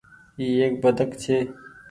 اي ايڪ بدڪ ڇي۔